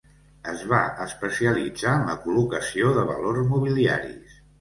Es va especialitzar en la col·locació de valors mobiliaris.